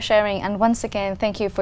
vì vậy kỷ niệm mở cửa của chúng tôi